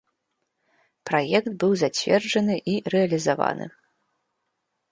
Праект быў зацверджаны і рэалізаваны.